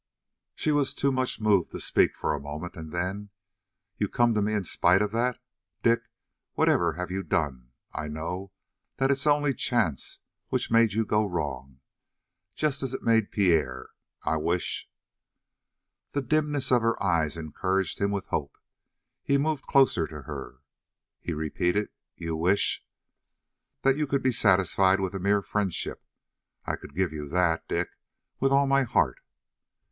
She was too much moved to speak for a moment, and then: "You come to me in spite of that? Dick, whatever you have done, I know that it's only chance which made you go wrong, just as it made Pierre. I wish " The dimness of her eyes encouraged him with a hope. He moved closer to her. He repeated: "You wish " "That you could be satisfied with a mere friendship. I could give you that, Dick, with all my heart."